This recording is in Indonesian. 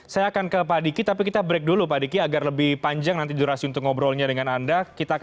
saya akan ke pak diki tapi kita break dulu pak diki agar lebih panjang nanti durasi untuk ngobrolnya dengan anda